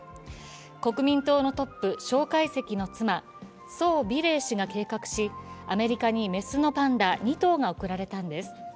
国民党のトップ、蒋介石の妻・宋美齢氏が計画し、アメリカに雌のパンダ２頭が送られたのです。